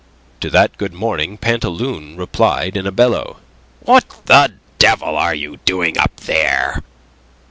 To that good morning Pantaloon replied in a bellow: "What the devil are you doing up there?"